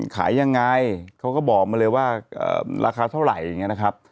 ขายยังไงเขาก็บอกมาเลยว่าราคาเท่าไหร่อย่างนี้นะครับ